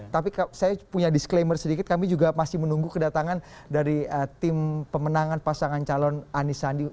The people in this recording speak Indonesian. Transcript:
tapi saya punya disclaimer sedikit kami juga masih menunggu kedatangan dari tim pemenangan pasangan calon anisandi